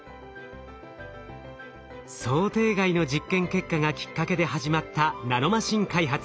想定外の実験結果がきっかけで始まったナノマシン開発。